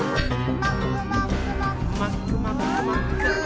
「もっくもっくもっくー」